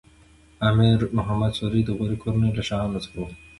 امیر محمد سوري د غوري کورنۍ له شاهانو څخه و.